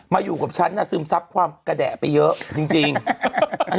มาอยู่กับฉันน่ะซึมซับความกระแดะไปเยอะ